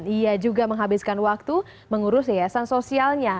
ia juga menghabiskan waktu mengurus yayasan sosialnya